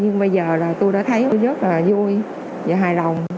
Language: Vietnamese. nhưng bây giờ là tôi đã thấy tôi rất là vui và hài lòng